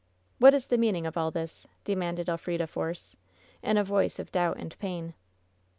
"What is the meaning of all this?" demanded Elfrida Force, in a voice of doubt and pain.